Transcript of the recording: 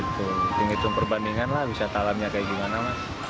tinggi itu perbandingan lah wisata alamnya kayak gimana mas